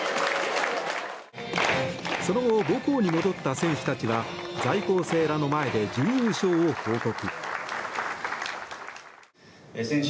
その後、母校に戻った選手たちは在校生らの前で準優勝を報告。